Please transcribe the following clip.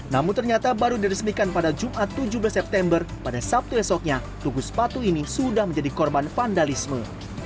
namun ternyata baru diresmikan pada jumat tujuh belas september pada sabtu esoknya tugu sepatu ini sudah menjadi korban vandalisme